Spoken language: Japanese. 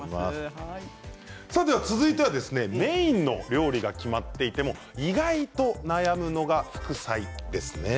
続いてはメインの料理が決まっていても意外と悩むのが副菜ですね。